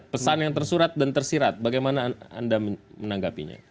pesan yang tersurat dan tersirat bagaimana anda menanggapinya